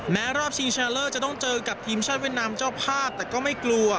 รอบชิงชนะเลิศจะต้องเจอกับทีมชาติเวียดนามเจ้าภาพแต่ก็ไม่กลัว